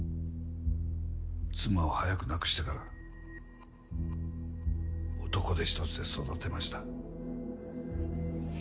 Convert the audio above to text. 妻を早くに亡くしてから男手ひとつで育てました。